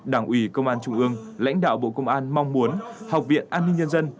đảng ủy công an trung ương lãnh đạo bộ công an mong muốn học viện an ninh nhân dân